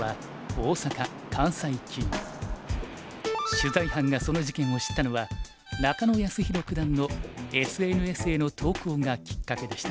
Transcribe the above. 取材班がその事件を知ったのは中野泰宏九段のＳＮＳへの投稿がきっかけでした。